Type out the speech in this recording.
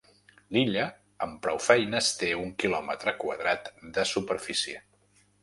L'illa amb prou feines té un quilòmetre quadrat de superfície.